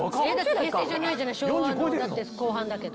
平成じゃないじゃない昭和のだって後半だけど。